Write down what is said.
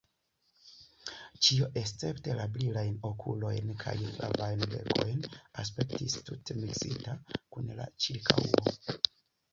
Ĉio escepte la brilajn okulojn kaj flavajn bekojn aspektis tute miksita kun la ĉirkaŭo.